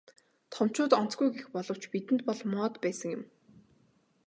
Томчууд онцгүй гэх боловч бидэнд бол моод байсан юм.